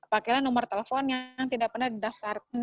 pakailah nomor telepon yang tidak pernah didaftarkan